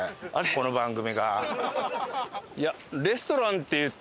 この番組が。